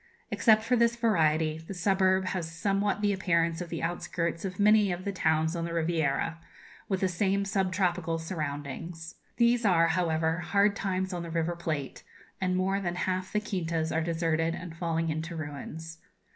Except for this variety, the suburb has somewhat the appearance of the outskirts of many of the towns on the Riviera, with the same sub tropical surroundings. These are, however, hard times on the River Plate, and more than half the quintas are deserted and falling into ruins.